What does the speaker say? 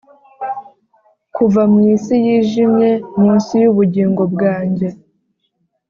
kuva mu isi yijimye munsi yubugingo bwanjye